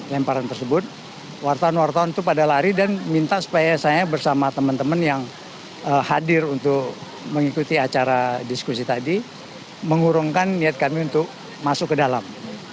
lemparan tersebut wartawan wartawan itu pada lari dan minta supaya saya bersama teman teman yang hadir untuk mengikuti acara diskusi tadi mengurungkan niat kami untuk masuk ke dalam